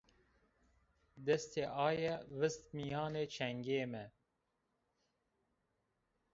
Destê aye vist mîyanê çengê mi